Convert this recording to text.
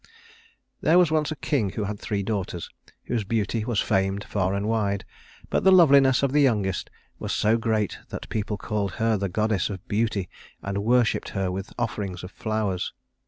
There was once a king who had three daughters whose beauty was famed far and wide; but the loveliness of the youngest was so great that people called her the goddess of Beauty and worshiped her with offerings of flowers.